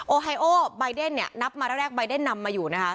โอไฮโอใบเดนเนี่ยนับมาตั้งแต่แรกใบเดนนำมาอยู่นะคะ